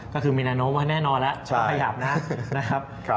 ก็คือมีนาโน้มว่าแน่นอนแล้วจะขยับนะ